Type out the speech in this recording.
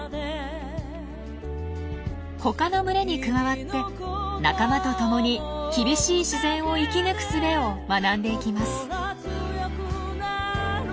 他の群れに加わって仲間とともに厳しい自然を生き抜くすべを学んでいきます。